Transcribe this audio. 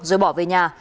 rồi bỏ về nhà